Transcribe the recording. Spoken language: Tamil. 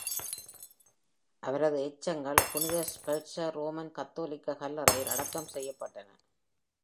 அவரது எச்சங்கள் புனித Sepulchre Roman கத்தோலிக்க கல்லறையில் அடக்கம் செய்யப்பட்டன.